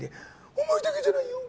お前だけじゃないよ！